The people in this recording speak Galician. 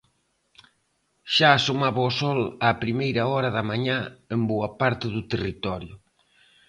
Xa asomaba o sol á primeira hora da mañá en boa parte do territorio.